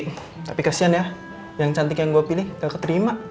tapi kasian ya yang cantik yang gue pilih gak keterima